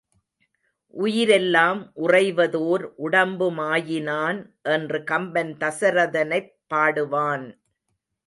உயிரெலாம் உறைவதோர் உடம்புமாயினான் என்று கம்பன் தசரதனைப் பாடுவான்!